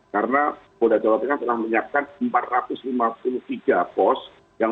karena polda jawa tengah telah menyiapkan empat ratus lima puluh tiga pos yang pentingnya nanti akan pekalan